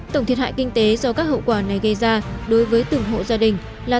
tổng thiệt hại kinh tế do các hậu quả này gây ra đối với từng hộ gia đình là tám tám trăm tám mươi hai